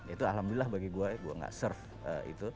itu alhamdulillah bagi gue gue gak serve itu